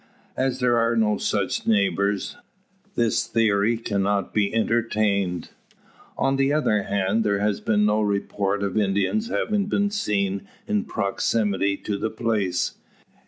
As there are no such neighbours, this theory cannot be entertained. On the other hand, there has been no report of Indians having been seen in proximity to the place.